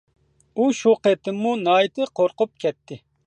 ئۇ شۇ قېتىممۇ ناھايىتى قورقۇپ كەتتى.